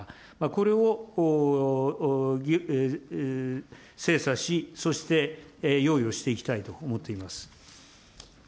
これを精査し、そして用意をしていきたいと思っています。